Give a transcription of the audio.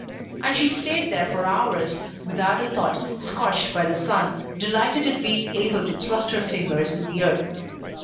And she stayed there for hours, without a thought, scorched by the sun, delighted at being able to thrust her fingers in the earth.